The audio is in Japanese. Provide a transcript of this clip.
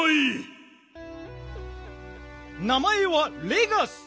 名まえはレガス。